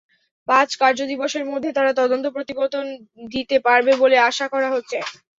পাঁচ কার্যদিবসের মধ্যে তারা তদন্ত প্রতিবেদন দিতে পারবে বলে আশা করা হচ্ছে।